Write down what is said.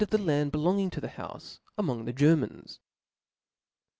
the land belonging to the houfej, among thef Ger mans.